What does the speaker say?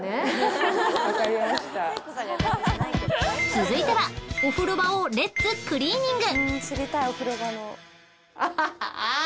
［続いてはお風呂場をレッツクリーニング！］